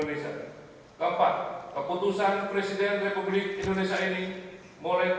lalu kebangsaan indonesia baik